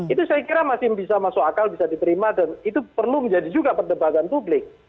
itu saya kira masih bisa masuk akal bisa diterima dan itu perlu menjadi juga perdebatan publik